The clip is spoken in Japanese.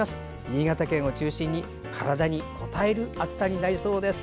新潟県を中心に体にこたえる暑さになりそうです。